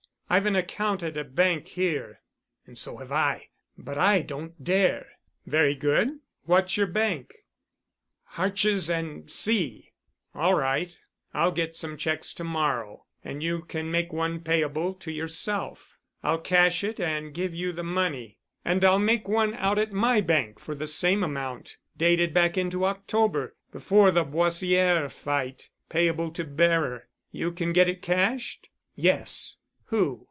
I've an account at a bank here——" "And so have I—but I don't dare——" "Very good. What's your bank?" "Hartjes & Cie." "All right. I'll get some checks to morrow and you can make one payable to yourself. I'll cash it and give you the money. And I'll make one out at my bank for the same amount, dated back into October, before the Boissière fight, payable to bearer. You can get it cashed?" "Yes." "Who?"